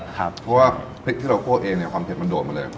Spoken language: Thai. เพราะว่าพริกที่เราคั่วเองเนี่ยความเผ็ดมันโดดมาเลย